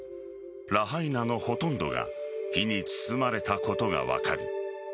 ラハイナのほとんどが火に包まれたことが分かる。